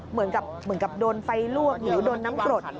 เหมือนกับโดนไฟร่วมหรือโดนน้ำกรด